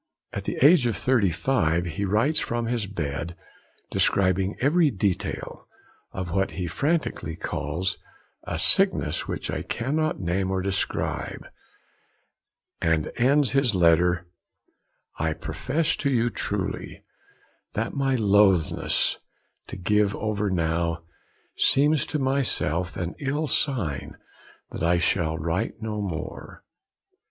At the age of thirty five he writes from his bed describing every detail of what he frantically calls 'a sickness which I cannot name or describe,' and ends his letter: 'I profess to you truly, that my loathness to give over now, seems to myself an ill sign that I shall write no more.'